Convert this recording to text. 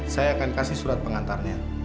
saya akan kasih surat pengantarnya